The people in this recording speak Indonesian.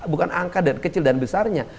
bukan angka kecil dan besarnya